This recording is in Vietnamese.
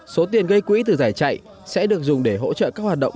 số tiền gây quỹ từ giải chạy sẽ được dùng để hỗ trợ các hoạt động